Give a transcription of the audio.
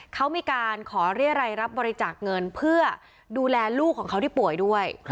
เขามีการขอเรียรัยรับบริจาคเงินเพื่อดูแลลูกของเขาที่ป่วยด้วย